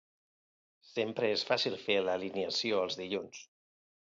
Sempre és fàcil fer l’alineació els dilluns.